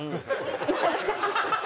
ハハハハ！